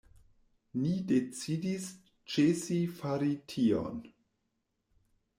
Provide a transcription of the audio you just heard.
Ni decidis ĉesi fari tion.